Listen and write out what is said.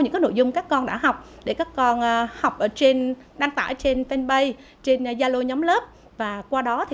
những nội dung các con đã học để các con đăng tải trên fanpage trên gia lô nhóm lớp và qua đó thì